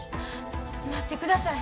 待ってください。